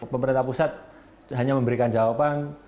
pemerintah pusat hanya memberikan jalan protokol